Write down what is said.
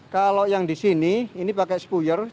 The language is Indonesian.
kalau yang di sini ini pakai spuyer